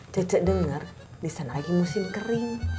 cece denger disana lagi musim kering